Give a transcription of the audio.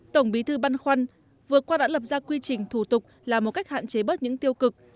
tổng bí thư băn khoăn vừa qua đã lập ra quy trình thủ tục là một cách hạn chế bớt những tiêu cực